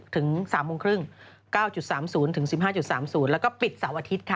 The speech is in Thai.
๙๓๐ถึง๑๕๓๐แล้วก็ปิดเสาร์อาทิตย์ค่ะ